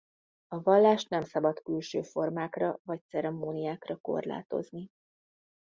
A vallást nem szabad külső formákra vagy ceremóniákra korlátozni.